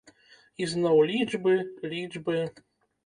І зноў лічбы, лічбы.